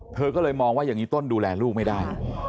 เธอก็เลยมองว่าอย่างนี้ต้นดูแลลูกไม่ได้